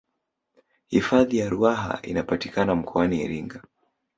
hifadhi ya ruaha inapatikana mkoani iringa